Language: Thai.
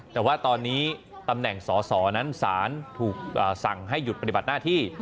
แต่ว่าตอนนี้ตำแหน่งสอสอนั้นสารถูกสั่งให้หยุดปฏิบัติหน้าที่